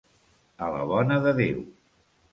A la bona de Déu.